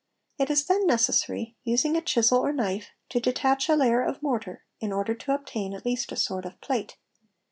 It is then necessary, using a chisel or knife, to detach a layer of mortar, in order to obtain at least a sort of plate.